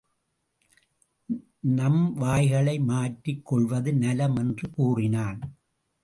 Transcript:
நம்வாய்களை மாற்றிக் கொள்வது நலம் என்று கூறினான்.